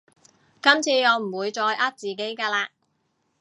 今次我唔會再呃自己㗎喇